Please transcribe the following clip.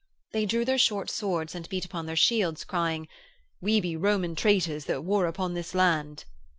They drew their short swords and beat upon their shields crying: 'We be Roman traitors that war upon this land.'